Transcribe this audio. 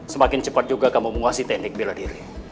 semakin cepat juga kamu menguasai teknik bela diri